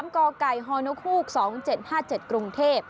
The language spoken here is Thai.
๓กฮน๒๗๕๗กรุงเทพ